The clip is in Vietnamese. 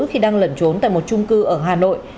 khi đang lẩn trốn tại một trung cư ở hà nội